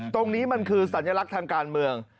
ตรงนี้มันคือสัญลักษณ์ทางการเมือง